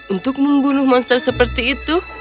untuk membunuh monster seperti itu